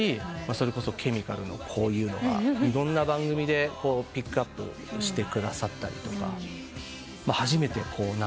それこそケミカルのこういうのがいろんな番組でピックアップしてくださったりとか。